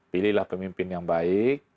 pilihlah pemimpin yang baik